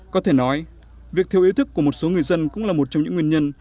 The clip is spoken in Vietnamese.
có thể nói việc thiếu ý thức của một số người dân cũng là một trong những nguyên nhân